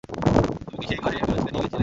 তুমি কি সেই ঘরে ফিরোজকে নিয়ে গিয়েছিলে?